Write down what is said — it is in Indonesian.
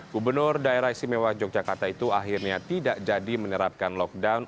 gubernur daerah istimewa yogyakarta itu akhirnya tidak jadi menerapkan lockdown